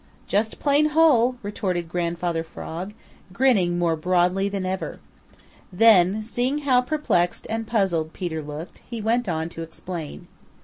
"Just plain hole," retorted Grandfather Frog, grinning more broadly than ever. Then seeing how perplexed and puzzled Peter looked, he went on to explain.